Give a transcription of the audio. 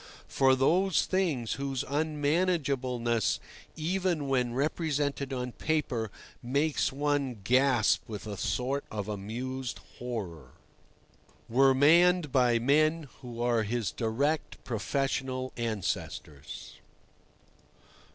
For those things, whose unmanageableness, even when represented on paper, makes one gasp with a sort of amused horror, were manned by men who are his direct professional ancestors.